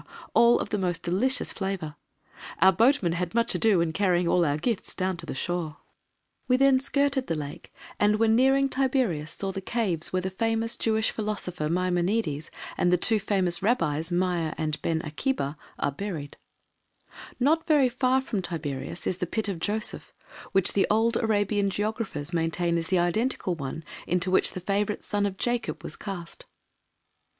all of the most delicious flavour. Our boatmen had much ado in carrying all our gifts down to the shore. [Illustration: RUINS OF THE OLD CITY OF TIBERIAS (See page 245)] We then skirted the Lake, and when nearing Tiberias saw the caves where the famous Jewish philosopher Maimonides, and the two famous Rabbis, Meir and Ben Akiba, are buried. Not very far from Tiberias is the pit of Joseph, which old Arabian geographers maintain is the identical one into which the favourite son of Jacob was cast.